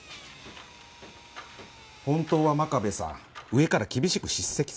本当は真壁さん上から厳しく叱責されましたね。